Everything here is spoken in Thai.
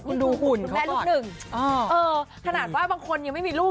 คุณดูหุ่นคุณแม่ลูกหนึ่งขนาดว่าบางคนยังไม่มีลูก